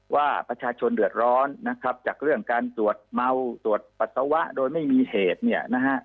ว่าประชาชนเดือดร้อนนะครับจากเรื่องการตรวจเมาตรวจปัสสาวะโดยไม่มีเหตุเนี่ยนะฮะ